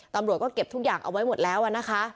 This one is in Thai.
ตำรวจก็เก็บทุกอย่างเอาไว้หมดแล้วนะคะ